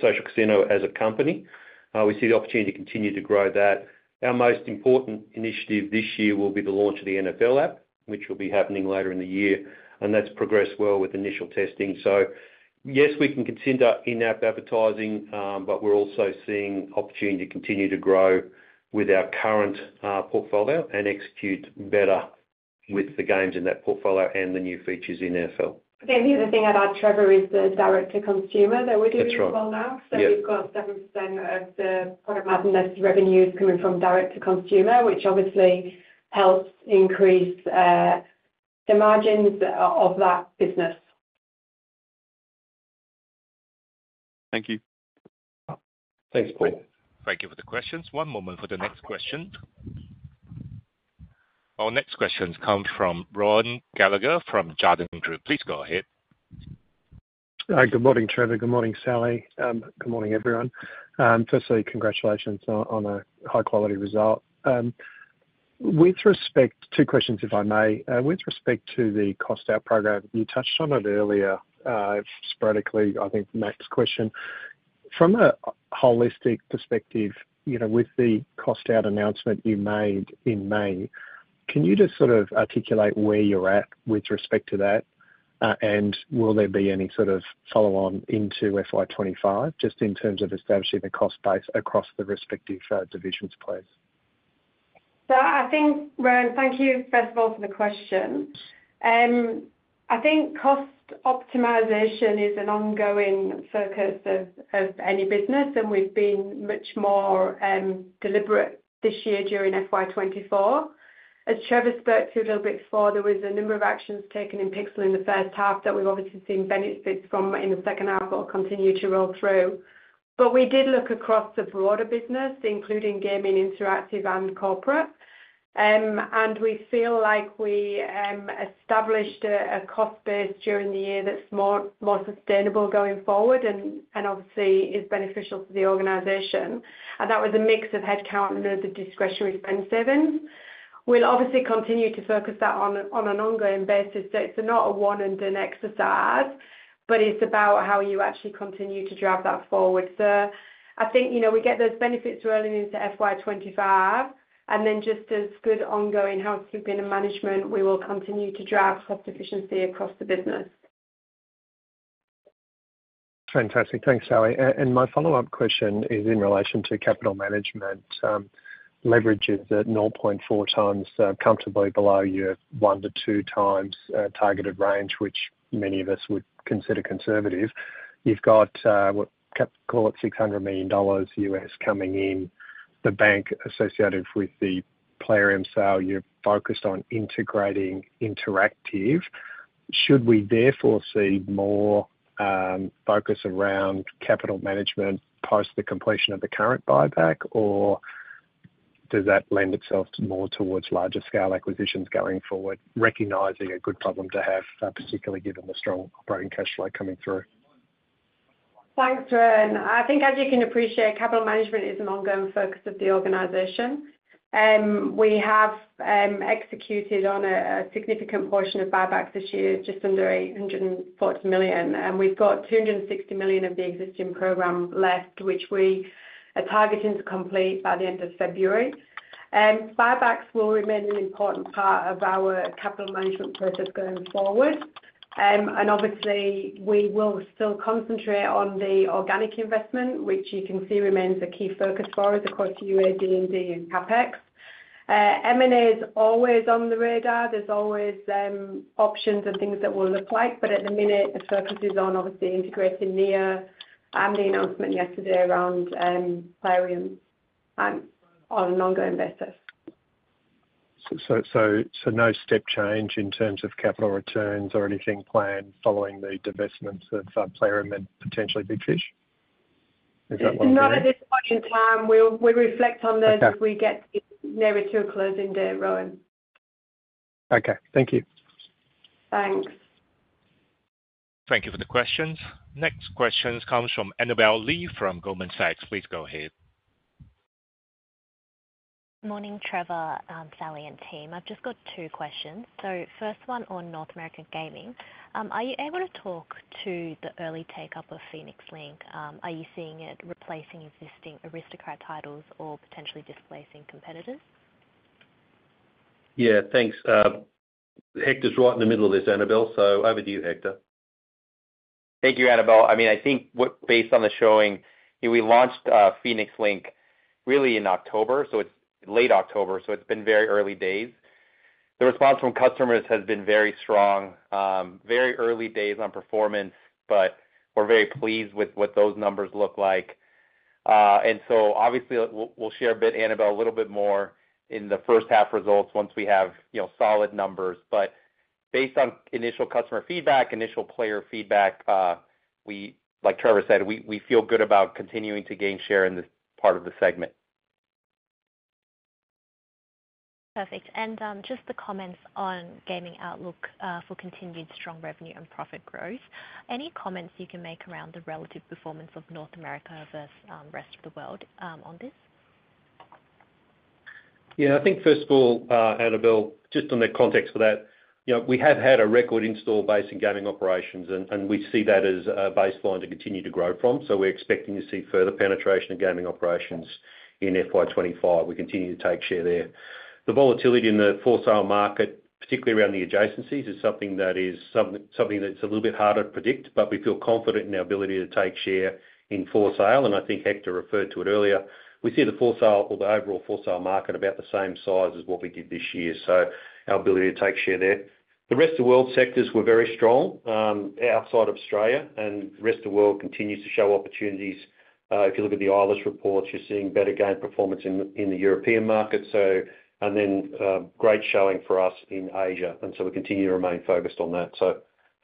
social casino as a company. We see the opportunity to continue to grow that. Our most important initiative this year will be the launch of the NFL app, which will be happening later in the year, and that's progressed well with initial testing. So yes, we can consider in-app advertising, but we're also seeing opportunity to continue to grow with our current portfolio and execute better with the games in that portfolio and the new features in NFL. Okay. The other thing about Trevor is the direct-to-consumer that we're doing as well now. So we've got 7% of the product marginless revenues coming from direct-to-consumer, which obviously helps increase the margins of that business. Thank you. Thanks, Paul. Thank you for the questions. One moment for the next question. Our next questions come from Rohan Gallagher from Jarden Group. Please go ahead. Good morning, Trevor. Good morning, Sally. Good morning, everyone. Firstly, congratulations on a high-quality result. With respect to two questions, if I may, with respect to the cost-out program, you touched on it earlier sporadically, I think, from that question. From a holistic perspective, with the cost-out announcement you made in May, can you just sort of articulate where you're at with respect to that, and will there be any sort of follow-on into FY25 just in terms of establishing the cost base across the respective divisions, please? So I think, Rohan, thank you, first of all, for the question. I think cost optimization is an ongoing focus of any business, and we've been much more deliberate this year during FY24. As Trevor spoke to a little bit before, there was a number of actions taken in Pixel in the first half that we've obviously seen benefits from in the second half or continue to roll through. But we did look across the broader business, including gaming, interactive, and corporate, and we feel like we established a cost base during the year that's more sustainable going forward and obviously is beneficial to the organization. And that was a mix of headcount and the discretionary spend savings. We'll obviously continue to focus that on an ongoing basis. So it's not a one-and-done exercise, but it's about how you actually continue to drive that forward. So I think we get those benefits rolling into FY25, and then just as good ongoing housekeeping and management, we will continue to drive cost efficiency across the business. Fantastic. Thanks, Sally. And my follow-up question is in relation to capital management leverages at 0.4 times comfortably below your one to two times targeted range, which many of us would consider conservative. You've got, call it, $600 million coming in the bank associated with the Plarium sale. You're focused on integrating Interactive. Should we therefore see more focus around capital management post the completion of the current buyback, or does that lend itself more towards larger-scale acquisitions going forward, recognizing a good problem to have, particularly given the strong operating cash flow coming through? Thanks, Rohan. I think, as you can appreciate, capital management is an ongoing focus of the organization. We have executed on a significant portion of buybacks this year, just under 840 million. We've got 260 million of the existing program left, which we are targeting to complete by the end of February. Buybacks will remain an important part of our capital management process going forward. And obviously, we will still concentrate on the organic investment, which you can see remains a key focus for us across our D&D and CapEx. M&A is always on the radar. There's always options and things that we'll look at, but at the minute, the focus is on obviously integrating Neo and the announcement yesterday around Plarium on an ongoing basis. So no step change in terms of capital returns or anything planned following the divestments of Plarium and potentially Big Fish? Is that what you're saying? Not at this point in time. We reflect on those as we get nearer to a closing day, Rohan. Okay. Thank you. Thanks. Thank you for the questions. Next questions come from Annabel Lee from Goldman Sachs. Please go ahead. Good morning, Trevor, Sally, and team. I've just got two questions. So first one on North American Gaming. Are you able to talk to the early take-up of Phoenix Link? Are you seeing it replacing existing Aristocrat titles or potentially displacing competitors? Yeah. Thanks. Hector's right in the middle of this, Annabel. So over to you, Hector. Thank you, Annabel. I mean, I think based on the showing, we launched Phoenix Link really in October, so it's late October, so it's been very early days. The response from customers has been very strong, very early days on performance, but we're very pleased with what those numbers look like. And so obviously, we'll share a bit, Annabel, a little bit more in the first half results once we have solid numbers. But based on initial customer feedback, initial player feedback, like Trevor said, we feel good about continuing to gain share in this part of the segment. Perfect. And just the comments on gaming outlook for continued strong revenue and profit growth. Any comments you can make around the relative performance of North America versus the rest of the world on this? Yeah. I think, first of all, Annabel, just on the context for that, we have had a record install base in gaming operations, and we see that as a baseline to continue to grow from. So we're expecting to see further penetration of gaming operations in FY25. We continue to take share there. The volatility in the for-sale market, particularly around the adjacencies, is something that's a little bit harder to predict, but we feel confident in our ability to take share in for-sale. I think Hector referred to it earlier. We see the for-sale or the overall for-sale market about the same size as what we did this year. Our ability to take share there. The rest of the world sectors were very strong outside of Australia, and the rest of the world continues to show opportunities. If you look at the Eilers reports, you're seeing better game performance in the European market, and then great showing for us in Asia. We continue to remain focused on that.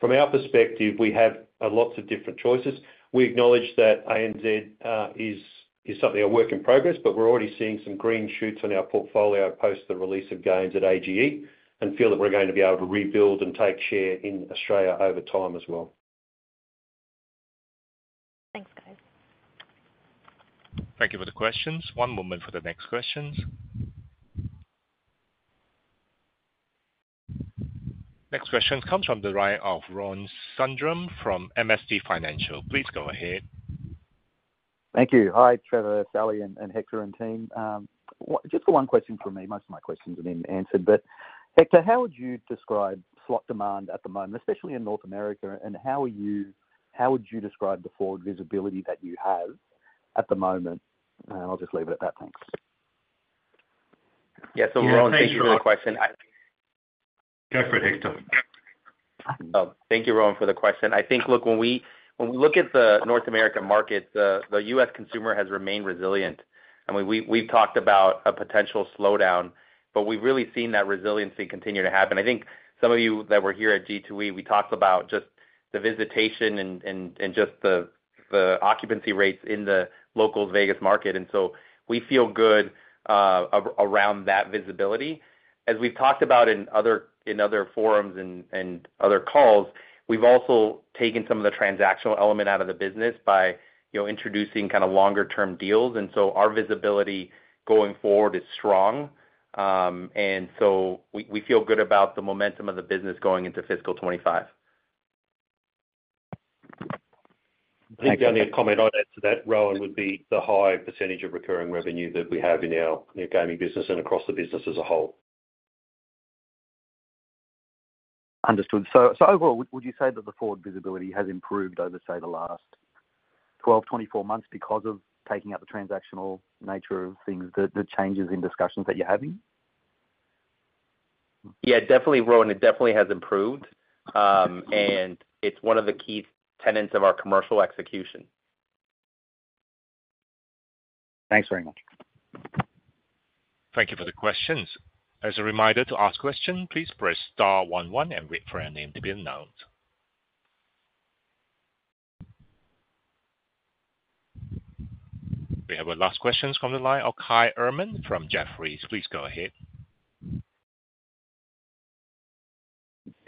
From our perspective, we have lots of different choices. We acknowledge that ANZ is something of a work in progress, but we're already seeing some green shoots on our portfolio post the release of games at AGE and feel that we're going to be able to rebuild and take share in Australia over time as well. Thanks, guys. Thank you for the questions. One moment for the next questions. Next question comes from Rohan Sundram from MST Financial. Please go ahead. Thank you. Hi, Trevor, Sally, and Hector and team. Just one question for me. Most of my questions have been answered. But Hector, how would you describe slot demand at the moment, especially in North America, and how would you describe the forward visibility that you have at the moment? I'll just leave it at that. Thanks. Yes. Ron, thank you for the question. Go for it, Hector. Thank you, Ron, for the question. I think, look, when we look at the North American market, the U.S. consumer has remained resilient. I mean, we've talked about a potential slowdown, but we've really seen that resiliency continue to happen. I think some of you that were here at G2E, we talked about just the visitation and just the occupancy rates in the local Vegas market, and so we feel good around that visibility. As we've talked about in other forums and other calls, we've also taken some of the transactional element out of the business by introducing kind of longer-term deals, and so our visibility going forward is strong, and so we feel good about the momentum of the business going into fiscal 2025. I think the only comment I'd add to that, Rohan, would be the high percentage of recurring revenue that we have in our gaming business and across the business as a whole. Understood. So overall, would you say that the forward visibility has improved over, say, the last 12, 24 months because of taking out the transactional nature of things, the changes in discussions that you're having? Yeah. Definitely, Rohan, it definitely has improved. And it's one of the key tenets of our commercial execution. Thanks very much. Thank you for the questions. As a reminder, to ask questions, please press star 11 and wait for your name to be announced. We have our last questions from the line. Okay, Kai Erman from Jefferies. Please go ahead.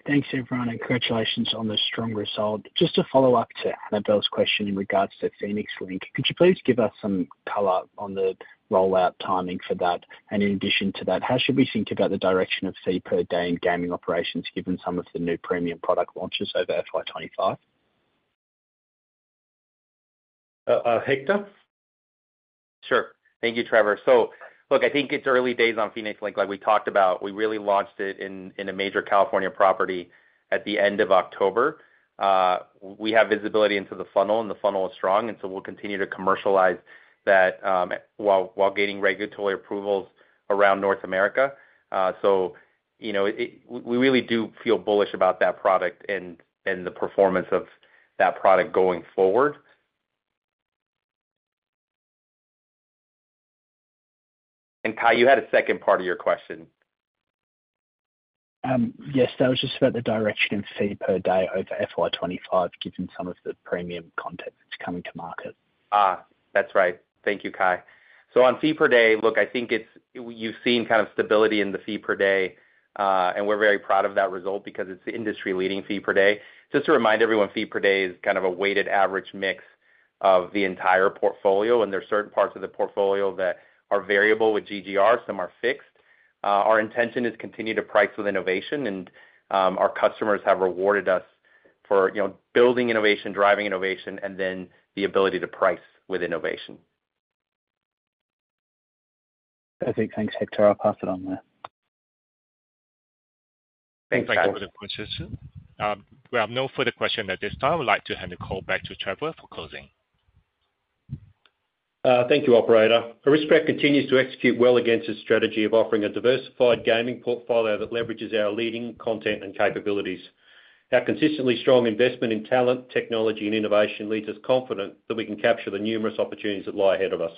Thanks, everyone. And congratulations on the strong result. Just to follow up to Annabel's question in regards to Phoenix Link, could you please give us some color on the rollout timing for that, and in addition to that, how should we think about the direction of fee per day in gaming operations given some of the new premium product launches over FY25? Hector? Sure. Thank you, Trevor, so look, I think it's early days on Phoenix Link. Like we talked about, we really launched it in a major California property at the end of October. We have visibility into the funnel, and the funnel is strong, and so we'll continue to commercialize that while getting regulatory approvals around North America, so we really do feel bullish about that product and the performance of that product going forward, and Kai, you had a second part of your question. Yes. That was just about the direction of fee per day over FY25 given some of the premium content that's coming to market. That's right. Thank you, Kai. So on fee per day, look, I think you've seen kind of stability in the fee per day, and we're very proud of that result because it's the industry-leading fee per day. Just to remind everyone, fee per day is kind of a weighted average mix of the entire portfolio, and there are certain parts of the portfolio that are variable with GGR, some are fixed. Our intention is to continue to price with innovation, and our customers have rewarded us for building innovation, driving innovation, and then the ability to price with innovation. Perfect. Thanks, Hector. I'll pass it on there. Thanks, Hector. Thanks for the question. We have no further questions at this time. I'd like to hand the call back to Trevor for closing. Thank you, Operator. Aristocrat continues to execute well against its strategy of offering a diversified gaming portfolio that leverages our leading content and capabilities. Our consistently strong investment in talent, technology, and innovation leaves us confident that we can capture the numerous opportunities that lie ahead of us.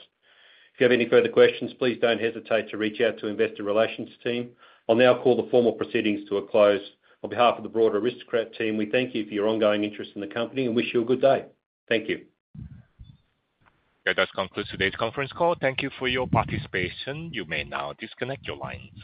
If you have any further questions, please don't hesitate to reach out to the investor relations team. I'll now call the formal proceedings to a close. On behalf of the broader Aristocrat team, we thank you for your ongoing interest in the company and wish you a good day. Thank you. That does conclude today's conference call. Thank you for your participation. You may now disconnect your lines.